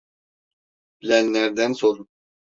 Bilenlerden sorun.